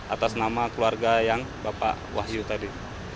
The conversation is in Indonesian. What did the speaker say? atas nama keluarga yang bapak wahyu tadi